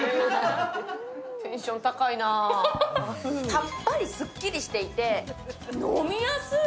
さっぱり、スッキリしていて、飲みやすい。